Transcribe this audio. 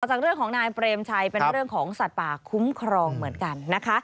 จากเรื่องของนายเปรมชัยเป็นเรื่องของสัตว์ป่าคุ้มครองเหมือนกันนะคะ